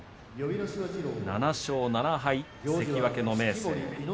７勝７敗、関脇の明生。